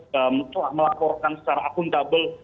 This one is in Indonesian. telah melaporkan secara akuntabel